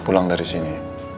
pulang dari sini